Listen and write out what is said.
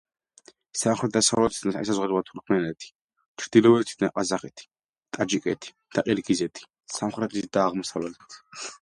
სამხრეთ-დასავლეთიდან ესაზღვრება თურქმენეთი, ჩრდილოეთიდან ყაზახეთი, ტაჯიკეთი და ყირგიზეთი სამხრეთით და აღმოსავლეთით.